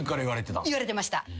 言われてました。